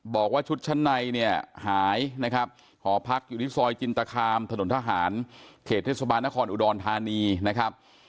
บอกว่าชุดชั้นในเนี่ยหายนะครับหอพักอยู่ที่ซอยจินตคามถนนทหารเขตเทศบาลนครอุดรธานีนะครับ